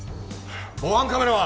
防犯カメラは？